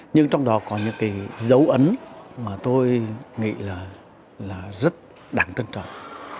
nhưng trong đó có những cái dấu ấn mà tôi nghĩ là rất đáng trân trọng